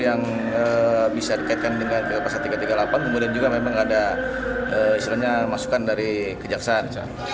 yang bisa dikaitkan dengan pasal tiga ratus tiga puluh delapan kemudian juga memang ada istilahnya masukan dari kejaksaan